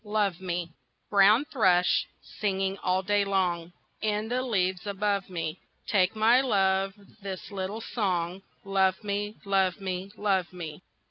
Love Me Brown thrush singing all day long In the leaves above me, Take my love this April song, "Love me, love me, love me!"